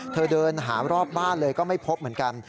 เธอเดินหารอบบ้านเลยก็ไม่พบเหมือนกัน